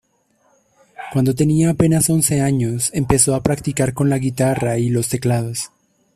Cuando tenía apenas once años, empezó a practicar con la guitarra y los teclados.